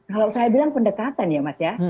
kalau saya bilang pendekatan ya mas ya